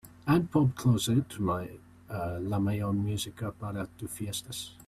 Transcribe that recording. add bob klose to la mejor música para tus fiestas